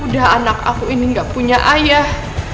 udah anak aku ini gak punya ayah